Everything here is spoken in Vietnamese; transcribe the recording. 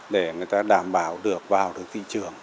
để người ta đảm bảo được vào được thị trường